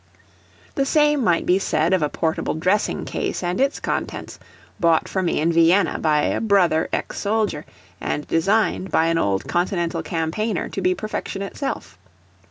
The same might be said of a portable dressing case and its contents, bought for me in Vienna by a brother ex soldier, and designed by an old continental campaigner to be perfection itself.